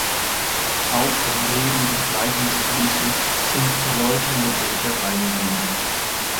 Auch den Reden und Gleichnissen Jesu sind erläuternde Bilder beigegeben.